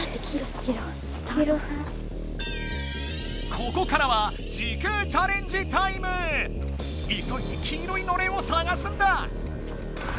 ここからはいそいで黄色いのれんを探すんだ！